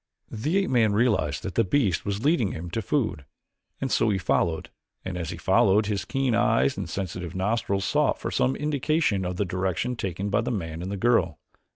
The ape man realized that the beast was leading him to food, and so he followed and as he followed his keen eyes and sensitive nostrils sought for some indication of the direction taken by the man and the girl.